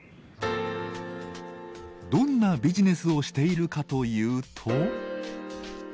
どんなビジネスをしているかというと。